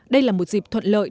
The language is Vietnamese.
đây là một dịp thuận lợi